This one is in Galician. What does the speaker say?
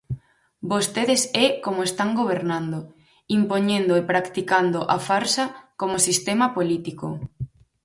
Vostedes é como están gobernando: impoñendo e practicando a farsa como sistema político.